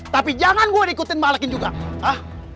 tapi jangan gue diikutin malakin juga ha